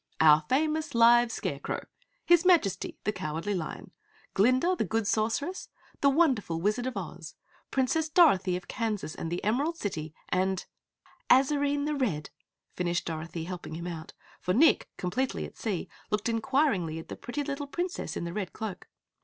"Our famous live Scarecrow, His Majesty the Cowardly Lion, Glinda the Good Sorceress, the Wonderful Wizard of Oz, Princess Dorothy of Kansas and the Emerald City and " "Azarine, the Red," finished Dorothy, helping him out. For Nick, completely at sea, looked inquiringly at the pretty little Princess in the red cloak.